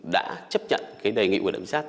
đã chấp nhận cái đề nghị của đẩm sát